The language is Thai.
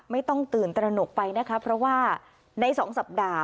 ไม่ต้องตื่นตระหนกไปนะคะเพราะว่าในสองสัปดาห์